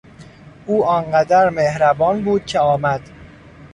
او آنقدر مهربان بود که آمد.